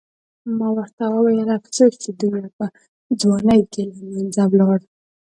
ما ورته وویل: افسوس چې دومره په ځوانۍ کې له منځه ولاړ.